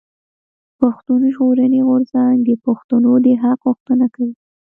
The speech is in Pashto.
پښتون ژغورنې غورځنګ د پښتنو د حق غوښتنه کوي.